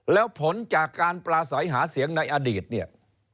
แล้วผลจากการปลาใสหาเสียงในอดีตเนี่ย